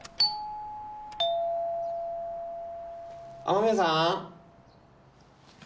雨宮さん。